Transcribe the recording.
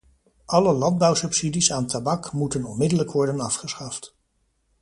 Alle landbouwsubsidies aan tabak moeten onmiddellijk worden afgeschaft.